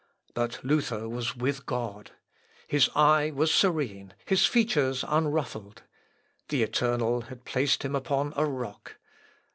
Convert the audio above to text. But Luther was with God. His eye was serene, his features unruffled; the Eternal had placed him upon a rock.